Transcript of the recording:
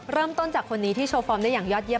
เริ่มต้นจากคนนี้ที่โชว์ฟอร์มได้อย่างยอดเยี